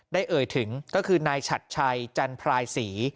เอ่ยถึงก็คือนายฉัดชัยจันพรายศรี